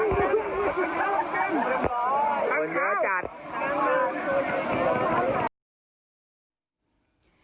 ไปดูภาพเหตุการณ์กันก่อนเราตามความคืบหน้าให้เพิ่มค่ะ